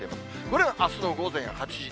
これがあすの午前８時。